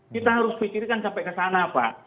kita harus pikirkan sampai ke sana pak